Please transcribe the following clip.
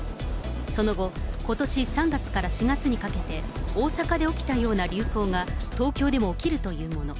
その後、ことし３月から４月にかけて、大阪で起きたような流行が、東京でも起きるというもの。